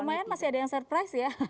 lumayan masih ada yang surprise ya